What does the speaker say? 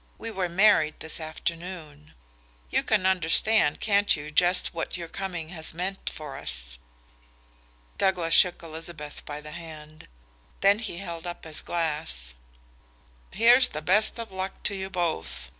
We were married this afternoon. You can understand, can't you, just what your coming has meant for us?" Douglas shook Elizabeth by the hand. Then he held up his glass. "Here's the best of luck to you both!"